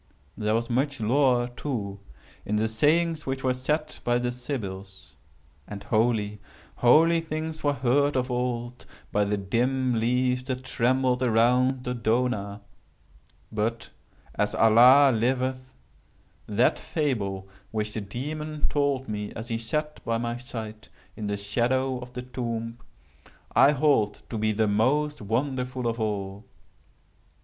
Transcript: There was much lore too in the sayings which were said by the Sybils; and holy, holy things were heard of old by the dim leaves that trembled around Dodona—but, as Allah liveth, that fable which the Demon told me as he sat by my side in the shadow of the tomb, I hold to be the most wonderful of all!